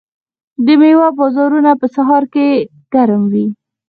د میوو بازارونه په سهار کې ګرم وي.